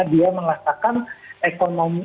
dia mengatakan ekonomi